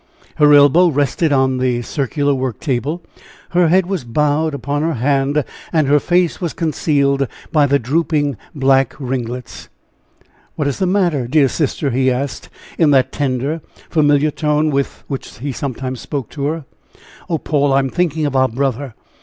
Her elbow rested on the circular work table, her head was bowed upon her hand, and her face was concealed by the drooping black ringlets. "What is the matter, dear, sister?" he asked, in that tender, familiar tone, with which he sometimes spoke to her. "Oh, Paul, I am thinking of our brother!